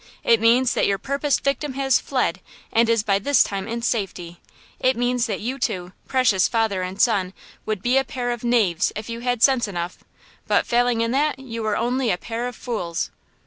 It means that your purposed victim has fled, and is by this time in safety! It means that you two, precious father and son, would be a pair of knaves if you had sense enough; but, failing in that, you are only a pair of fools!"